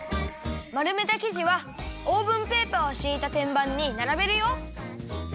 まるめたきじはオーブンペーパーをしいたてんばんにならべるよ。